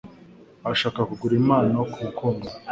Arashaka kugura impano kumukunzi we.